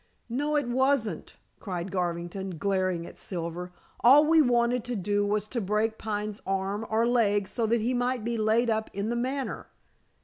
"No, it wasn't," cried Garvington, glaring at Silver. "All we wanted to do was to break Pine's arm or leg so that he might be laid up in The Manor."